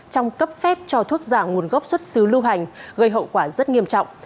trong cấp phép cho thuốc giả nguồn gốc xuất xứ lưu hành gây hậu quả rất nghiêm trọng